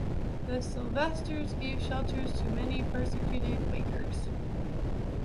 The Sylvesters gave shelter to many persecuted Quakers.